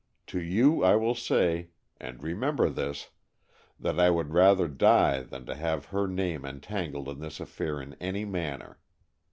To you I will say and remember this that I would rather die than to have her name entangled in this affair in any manner.